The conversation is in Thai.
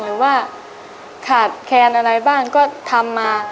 หรือว่าขาดแคลนอะไรบ้างก็ทำมา